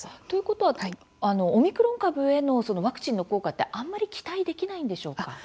ということはオミクロン株へのワクチンの効果ってあまり期待できないんでしょうか。